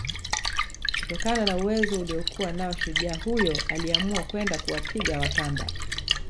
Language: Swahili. Kutokana na uwezo aliokuwa nao shujaa huyo aliamua kwenda kuwapiga Wakamba